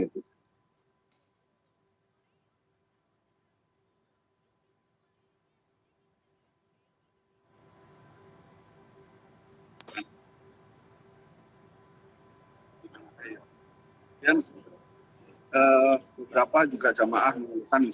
bagaimana menurut anda